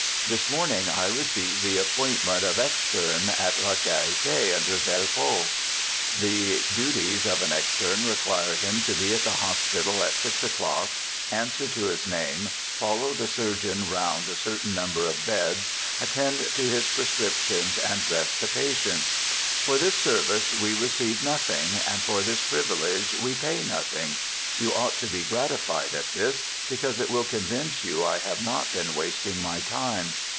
This morning I received the appointment of ex feme in La Charite under Velpeau. The duties of an 8 BIOGRAPHICAL ESSAYS externe require him to be at the hospital at six o'clock, answer to his name, follow the surgeon round a certain number of beds, attend to his prescriptions, and dress the patients. For this service we receive nothing, and for this privilege we pay nothing; you ought to be gratified at this, because it will convince you I have not been wasting m}' time.